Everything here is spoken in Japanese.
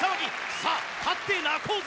さあ、勝って泣こうぜ！